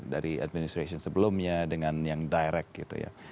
dari administration sebelumnya dengan yang direct gitu ya